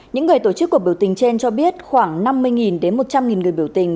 những người tổ chức cuộc biểu tình trên cho biết khoảng năm mươi đến một trăm linh người biểu tình